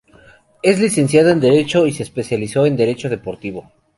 Es licenciado en Derecho y se especializó en Derecho deportivo.